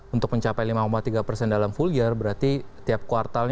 untuk mencapai lima tiga persen dalam full year berarti tiap kuartalnya